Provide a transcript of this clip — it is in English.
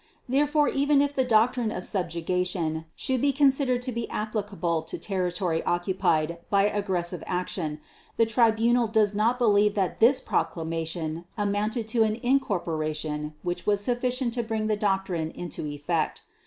Therefore even if the doctrine of subjugation should be considered to be applicable to territory occupied by aggressive action, the Tribunal does not believe that this Proclamation amounted to an incorporation which was sufficient to bring the doctrine into effect.